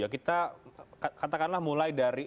kita katakanlah mulai dari